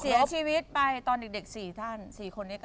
เสียชีวิตไปเข้าสิบคน